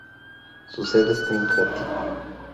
Su sede está en Katy.